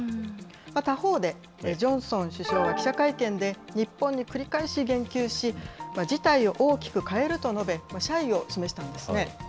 他方で、ジョンソン首相は記者会見で、日本に繰り返し言及し、事態を大きく変えると述べ、謝意を示したのですね。